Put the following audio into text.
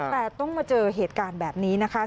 แต่ต้องมาเจอเหตุการณ์แบบนี้นะคะ